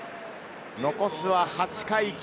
残すは８回、９回。